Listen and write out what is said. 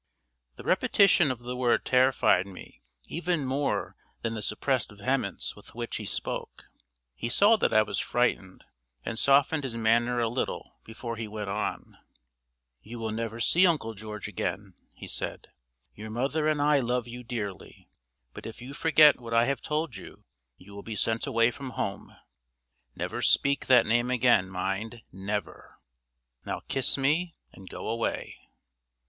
The repetition of the word terrified me even more than the suppressed vehemence with which he spoke. He saw that I was frightened, and softened his manner a little before he went on. "You will never see Uncle George again," he said. "Your mother and I love you dearly; but if you forget what I have told you, you will be sent away from home. Never speak that name again mind, never! Now kiss me, and go away."